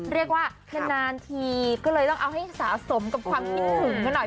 เรียกว่านานทีก็เลยต้องเอาให้สะสมกับความคิดถึงกันหน่อย